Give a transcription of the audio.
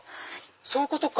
そういうことか！